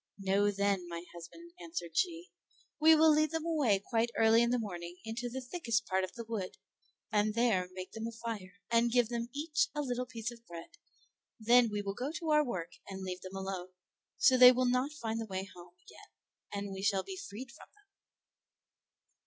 "Know, then, my husband," answered she, "we will lead them away quite early in the morning into the thickest part of the wood, and there make them a fire, and give them each a little piece of bread; then we will go to our work and leave them alone, so they will not find the way home again and we shall be freed from them."